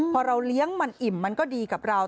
พอเราเลี้ยงมันอิ่มมันก็ดีกับเรา